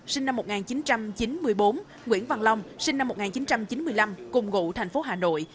sinh năm một nghìn chín trăm chín mươi bốn nguyễn văn long sinh năm một nghìn chín trăm chín mươi năm cùng ngụ thành phố hà nội